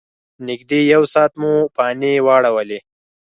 نږدې یو ساعت مو پانې واړولې.